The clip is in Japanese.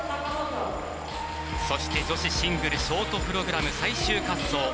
そして女子シングルショートプログラム最終滑走